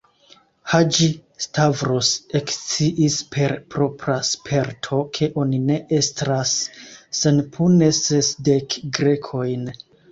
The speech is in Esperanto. Haĝi-Stavros eksciis per propra sperto, ke oni ne estras senpune sesdek Grekojn.